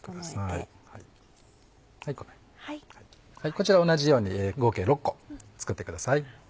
こちら同じように合計６個作ってください。